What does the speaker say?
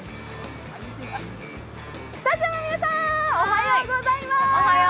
スタジオの皆さん、おはようございます。